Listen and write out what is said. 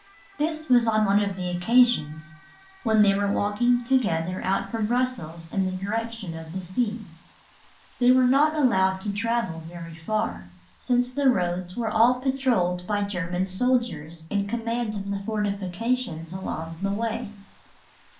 This was on one of the occasions when they were walking together out from Brussels in the direction of the sea. They were not allowed to travel very far, since the roads were all patrolled by German soldiers in command of the fortifications along the way.